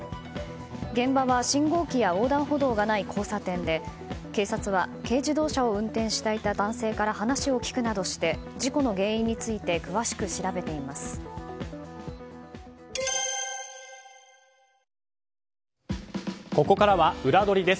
現場は信号機や横断歩道がない交差点で警察は軽自動車を運転していた男性から話を聞くなどして事故の原因についてここからはウラどりです。